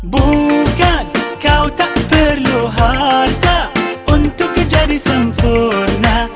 bukan kau tak perlu harta untuk menjadi sempurna